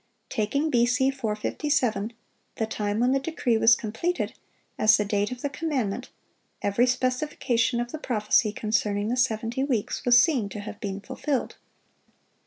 Taking B.C. 457, the time when the decree was completed, as the date of the commandment, every specification of the prophecy concerning the seventy weeks was seen to have been fulfilled.